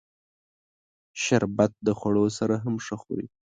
شربت د خوړو سره هم ښه خوري